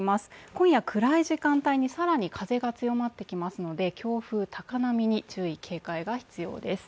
今夜暗い時間帯に更に風が強まってきますので強風・高波に注意・警戒が必要です。